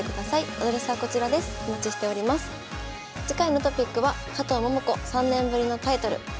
次回のトピックは「加藤桃子３年ぶりのタイトル」。